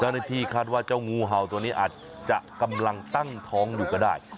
ที่คาดว่าเจ้างูเห่าตัวนี้อาจจะกำลังตั้งท้องอยู่ก็ได้